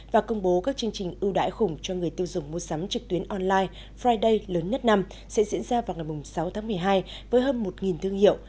và công bố các chương trình ưu đãi khủng cho người tiêu dùng mua sắm trực tuyến online friday lớn nhất năm sẽ diễn ra vào ngày sáu tháng một mươi hai với hơn một thương hiệu